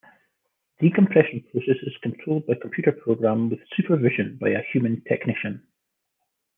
The decompression process is controlled by computer program with supervision by a human technician.